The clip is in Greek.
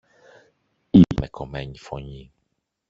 είπε με κομμένη φωνή.